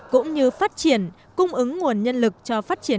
cũng như phát triển cung ứng nguồn nhân lực cho phát triển